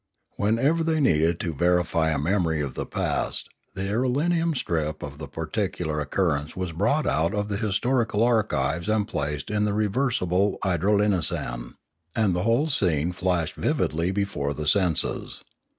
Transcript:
Whenever they needed to verify a memory of the past, the irelium strip of the particular occur rence was brought out of the historical archives and placed in the reversible idrolinasan, and the whole scene flashed vividly before the senses.